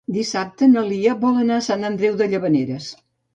Dissabte na Lia vol anar a Sant Andreu de Llavaneres.